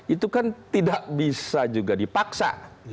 itu kan tidak bisa juga dipaksa